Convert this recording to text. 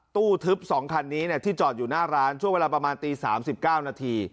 ตู้ทึบสองคันนี้เนี่ยที่จอดอยู่หน้าร้านช่วงเวลาประมาณตีสามสิบเก้านาที